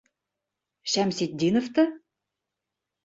Шәмсетдиновты?